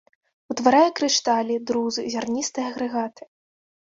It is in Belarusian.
Утварае крышталі, друзы, зярністыя агрэгаты.